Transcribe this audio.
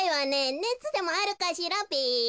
ねつでもあるかしらべ。